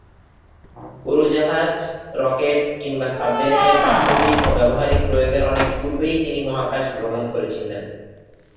উড়োজাহাজ, রকেট কিংবা সাবমেরিনের বাস্তবিক ও ব্যবহারিক প্রয়োগের অনেক পূর্বেই তিনি মহাকাশ ভ্রমণ ও সমুদ্রের তলদেশে ভ্রমণের কল্পকাহিনী লিখেছিলেন।